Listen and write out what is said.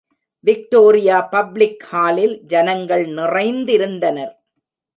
Victoria public ஹாலில் ஜனங்கள் நிறைந்திருந்தனர்.